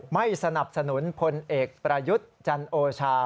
ไม่สนับสนุนพลเอกประยุทธ์จันโอชา